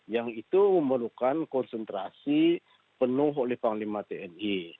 yang itu memerlukan konsentrasi penuh oleh panglima tni